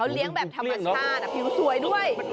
เลี้ยงแบบธรรมชาติผิวสวยด้วย